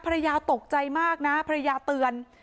ภรรยาตกใจมากนะภรรยาเตือน